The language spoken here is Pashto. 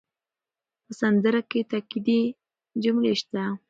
په سندره کې تاکېدي جملې شته.